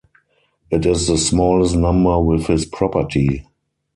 It is the smallest number with this property.